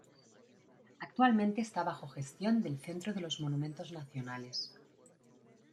Actualmente está bajo gestión del Centro de los monumentos nacionales.